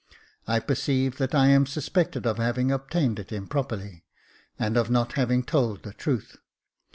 I perceive that I am suspected of having obtained it improperly, and of not having told the truth.